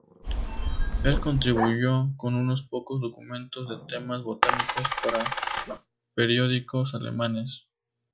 Él contribuyó con unos pocos documentos de temas botánicos para periódicos alemanes.